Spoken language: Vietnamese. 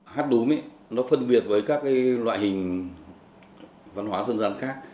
hát đúng nó phân biệt với các loại hình văn hóa dân gian khác